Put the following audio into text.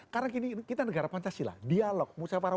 karena kita negara pancasila dialog